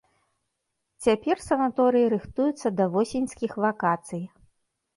Цяпер санаторыі рыхтуюць да восеньскіх вакацый.